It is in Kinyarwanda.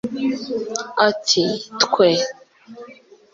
Ati “Twe